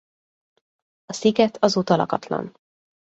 A sziget azóta lakatlan.